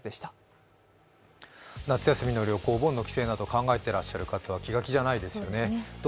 夏休みの旅行、お盆の帰省など考えていらっしゃる方は気が気じゃないですよね。